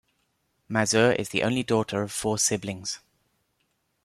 Mazur is the only daughter of four siblings.